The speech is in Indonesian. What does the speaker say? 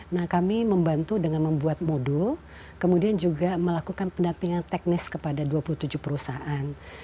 nah kami membantu dengan membuat modul kemudian juga melakukan pendampingan teknis kepada dua puluh tujuh perusahaan